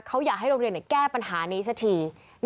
เขาอยากให้โรงเรียนแก้ปัญหานี้สักที